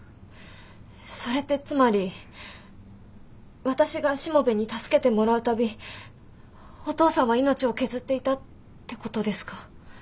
それってつまり私がしもべえに助けてもらう度お父さんは命を削っていたってことですか？